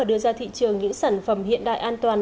đưa ra thị trường những sản phẩm hiện đại an toàn